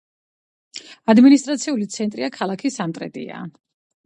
ადმინისტრაციული ცენტრია ქალაქი სამტრედია.